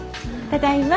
ただいま。